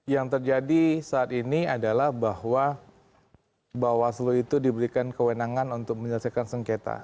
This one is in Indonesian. yang terjadi saat ini adalah bahwa bawaslu itu diberikan kewenangan untuk menyelesaikan sengketa